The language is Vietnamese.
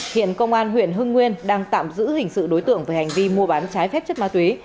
hiện công an huyện hưng nguyên đang tạm giữ hình sự đối tượng về hành vi mua bán trái phép chất ma túy